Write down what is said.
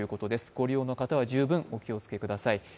ご利用の方は、十分お気をつけください。